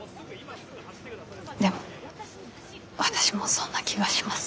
でも私もそんな気がします。